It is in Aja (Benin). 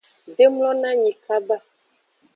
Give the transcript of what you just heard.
De mlonanyi kaba.